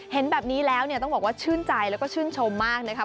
เห็นแบบนี้แล้วเนี่ยต้องบอกว่าชื่นใจแล้วก็ชื่นชมมากนะครับ